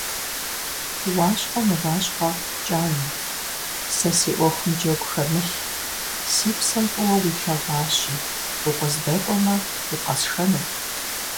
Уащхъуэ Мыващхъуэ КӀанэ, сэ си Ӏуэхум джэгу хэмылъ: си псэм фӀыуэ уилъэгъуащи, укъыздэкӀуэмэ, укъэсшэнут!